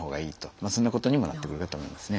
そんなことにもなってくるかと思いますね。